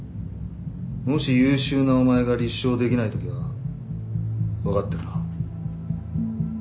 もし優秀なお前が立証できないときは分かってるな？